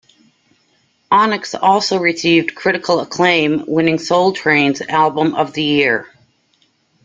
Onyx also received critical acclaim, winning Soul Train's album of the year.